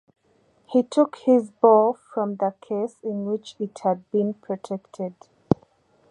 He took his bow from the case in which it had been protected.